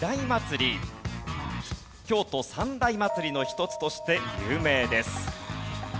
京都三大祭りの一つとして有名です。